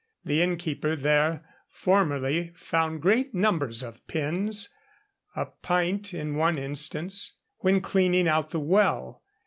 The innkeeper there formerly found great numbers of pins a pint, in one instance when cleaning out the well.